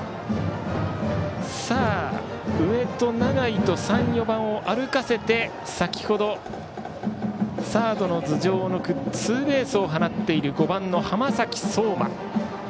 植戸、永井と３、４番を歩かせて先程、サードの頭上を抜くツーベースを放っている５番の浜崎綜馬。